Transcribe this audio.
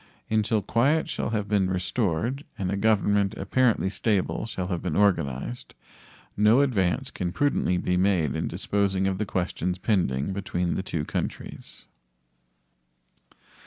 Until quiet shall have been restored and a government apparently stable shall have been organized, no advance can prudently be made in disposing of the questions pending between the two countries.